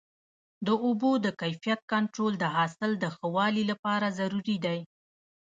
د اوبو د کیفیت کنټرول د حاصل د ښه والي لپاره ضروري دی.